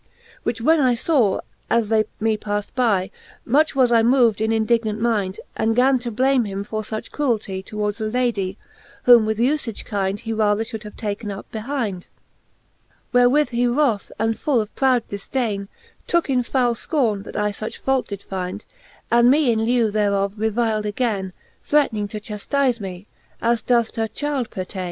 XL Which when I faw, as they me palled by, Much was I moved in indignant mind, And gan to blame him for luch cruelty Towards a Ladie, whom with ufage kind He rather Ihould have taken up behind. Wherewith he wroth, and full of proud difdaine, Tooke in foule fcorne, that I fuch fault did find, And me in lieu thereof revil'd againe, Threatning to chaftize, me as doth t'a chyld pertaine.